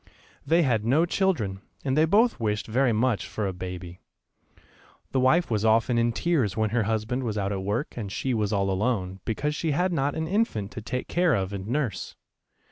They had no children, and they both wished very much for a baby. The wife was often in tears when her husband was out at work and she was all alone, because she had not an infant to take care of and nurse.